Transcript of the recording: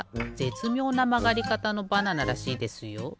つみょうなまがりかたのバナナらしいですよ。